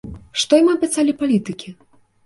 Што ім абяцалі палітыкі?